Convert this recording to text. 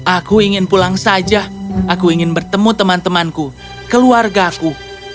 aku ingin pulang saja aku ingin bertemu teman temanku keluargaku